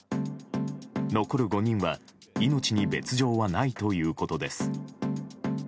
残る５人は命に別条はないということです。